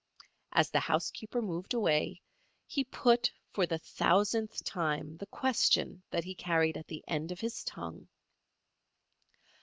As the housekeeper moved away he put, for the thousandth time, the question that he carried at the end of his tongue.